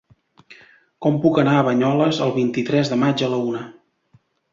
Com puc anar a Banyoles el vint-i-tres de maig a la una?